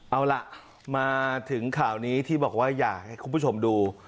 เอาล่ะมาถึงข่าวนี้ที่บอกว่าอยากให้คุณผู้ชมดู